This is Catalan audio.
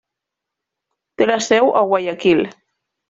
Té la seu a Guayaquil.